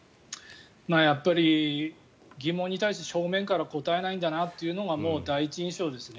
やっぱり疑問に対して正面から答えないんだなというのがもう、第一印象ですね。